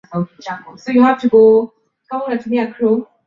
hata kwa mwezi huu wa kwanza tangu tarehe ya kwanza